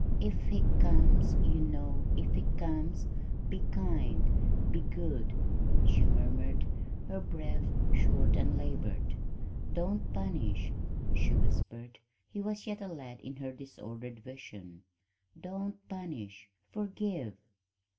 "If he comes you know if he comes, be kind be good," she murmured, her breath short and labored. "Don't punish," she whispered he was yet a lad in her disordered vision. "Don't punish forgive!"